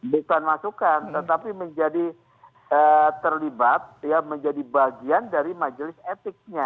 bukan masukan tetapi menjadi terlibat menjadi bagian dari majelis etiknya